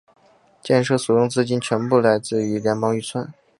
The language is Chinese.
建设所用资金全部来自联邦预算。